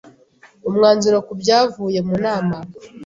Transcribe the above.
Umwanzuro kubyavuye mu nama